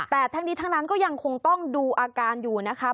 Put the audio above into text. แต่ทั้งนี้ทั้งนั้นก็ยังคงต้องดูอาการอยู่นะคะ